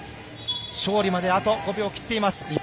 勝利まであと５秒を切っています。